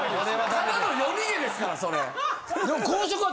ただの夜逃げですからそれ。